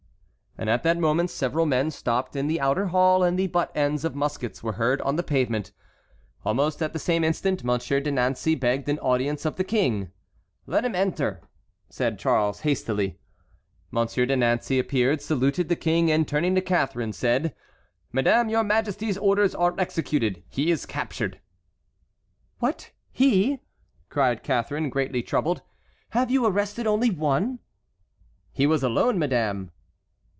At that moment several men stopped in the outer hall and the butt ends of muskets were heard on the pavement. Almost at the same instant Monsieur de Nancey begged an audience of the King. "Let him enter," said Charles, hastily. Monsieur de Nancey appeared, saluted the King, and turning to Catharine said: "Madame, your majesty's orders are executed; he is captured." "What he?" cried Catharine, greatly troubled. "Have you arrested only one?" "He was alone, madame."